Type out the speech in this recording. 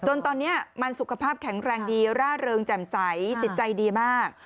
จนตอนนี้มันสุขภาพแข็งแรงดีร่าเริงแจ่มใสจิตใจดีมาก